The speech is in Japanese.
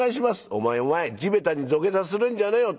「お前お前地べたに土下座するんじゃねえよ。